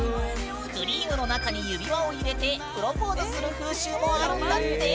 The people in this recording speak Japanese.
クリームの中に指輪を入れてプロポーズする風習もあるんだって！